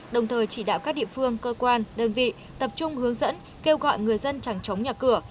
đồng thời chỉ đạo các địa phương cơ quan đơn vị tập trung hướng dẫn kêu gọi người dân chẳng chống nhà cửa